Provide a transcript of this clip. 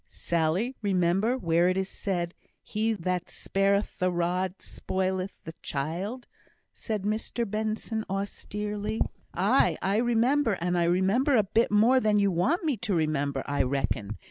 "Sally! remember where it is said, 'He that spareth the rod, spoileth the child,'" said Mr Benson, austerely. "Aye, I remember; and I remember a bit more than you want me to remember, I reckon.